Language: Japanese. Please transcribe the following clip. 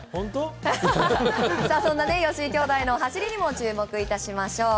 そんな吉居兄弟の走りにも注目いたしましょう。